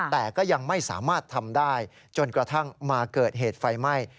แต่ก็ยังไม่สามารถทำได้จนกระทั่งมาเกิดเหตุไฟไหม้